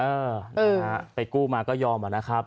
เออนะฮะไปกู้มาก็ยอมอะนะครับ